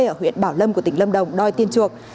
ở huyện bảo lâm của tỉnh lâm đồng đòi tiền chuộc